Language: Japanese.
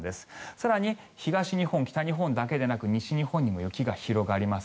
更に東日本、北日本だけでなく西日本にも雪が広がります。